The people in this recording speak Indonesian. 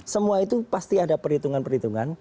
semua itu pasti ada perhitungan perhitungan